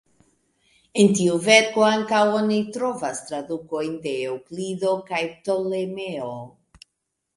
En tiu verko ankaŭ oni trovas tradukojn de Eŭklido kaj Ptolemeo.